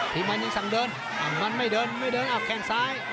พี่มันนี่สั่งเดินอ้าวแข่งซ้าย